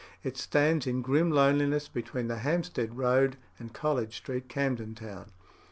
It stands in grim loneliness between the Hampstead Road and College Street, Camden Town.